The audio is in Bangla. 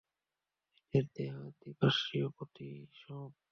এদের দেহ দ্বিপার্শ্বীয় প্রতিসম।